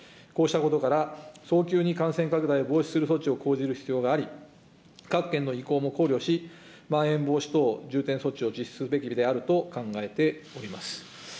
こうしたことから、早急に感染拡大を防止する必要があり、各県の意向も考慮し、まん延防止等重点措置を実施すべきであると考えております。